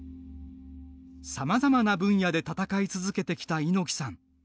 さまざまな分野で戦い続けてきた猪木さん。